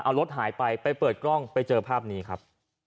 เอารถหายไปไปเปิดกล้องไปเจอภาพนี้ครับ